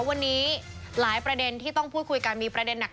วันนี้หลายประเด็นที่ต้องพูดคุยกันมีประเด็นหนัก